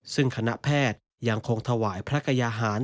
ซึ่งคณะแพทย์ยังคงถวายพระกยาหาร